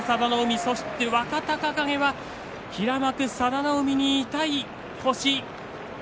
そして若隆景には平幕佐田の海に痛い星。